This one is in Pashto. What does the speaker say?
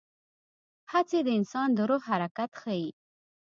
هڅې د انسان د روح حرکت ښيي.